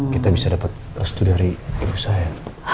kita bisa dapat restu dari ibu saya